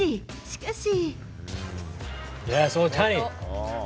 しかし。